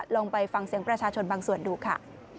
ลองไปฟังเสียงประชาชนบางส่วนดูค่ะ